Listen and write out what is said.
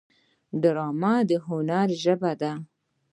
ډرامه د هنر ژبه ده